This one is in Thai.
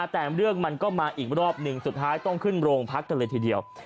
แต่เรื่องมันก็มาอีกรอบหนึ่งสุดท้ายต้องขึ้นโรงพักกันเลยทีเดียว